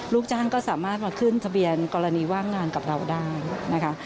ลูกจ้างก็สามารถมาขึ้นทะเบียนกรณีว่างงานกับเราได้นะคะ